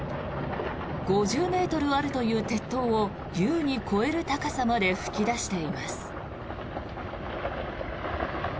５０ｍあるという鉄塔を優に越える高さまで噴き出しています。